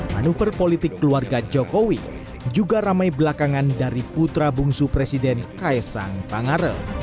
manuver politik keluarga jokowi juga ramai belakangan dari putra bungsu presiden kaesang pangare